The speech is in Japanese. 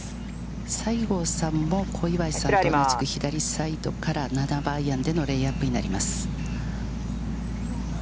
西郷さんも小祝と同じく、左サイドから７番アイアンでの、レイアップになります。